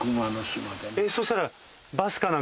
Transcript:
そしたら。